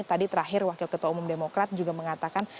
tadi terakhir wakil ketua umum demokrat juga mengatakan